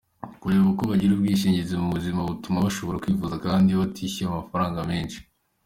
Kureba uko bagira ubwishingizi mu buzima, butuma bashobora kwivuza kandi batishyuye amafaranga menshi.